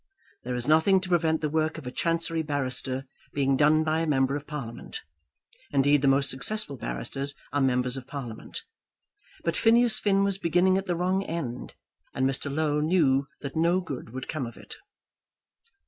There is nothing to prevent the work of a Chancery barrister being done by a member of Parliament. Indeed, the most successful barristers are members of Parliament. But Phineas Finn was beginning at the wrong end, and Mr. Low knew that no good would come of it.